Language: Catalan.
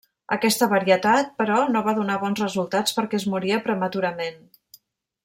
Aquesta varietat, però no va donar bons resultats perquè es moria prematurament.